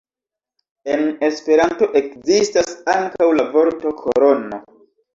En Esperanto ekzistas ankaŭ la vorto korono.